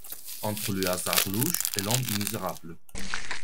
Entre le hasard louche et l'homme misérable.